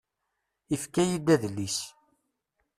Ifka-yi-d adlis.